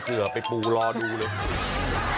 ขอเสือไปปูรอดูเลย